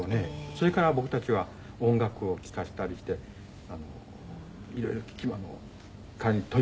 それから僕たちは音楽を聴かせたりしていろいろ彼に問いかける。